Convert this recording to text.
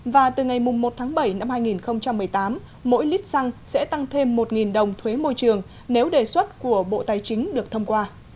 và từ ngày một tháng bảy năm hai nghìn một mươi tám mỗi lít xăng sẽ tăng thêm một đồng thuế môi trường nếu đề xuất của bộ tài chính được thông qua